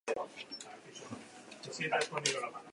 Argitalpen data ere aldatu egin dute.